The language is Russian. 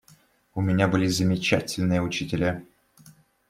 У меня были замечательные учителя.